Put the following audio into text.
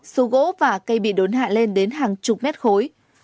số gỗ và cây bị đốn hạ lên đến hàng chục mét khối